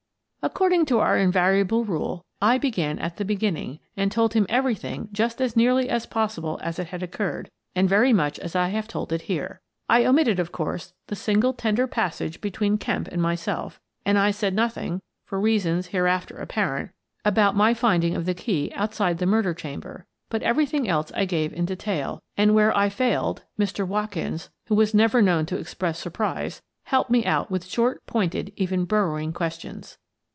According to our invariable rule, I began at the beginning and told him everything just as nearly as possible as it had occurred and very much as I have told it here. I omitted, of course, the single tender passage between Kemp and myself, and I said nothing — for reasons hereafter apparent — about my finding of the key outside the murder chamber, but everything else I gave in detail, and where I failed, Mr. Watkins — who was never known to express surprise — helped me out with short, pointed, even burrowing, questions.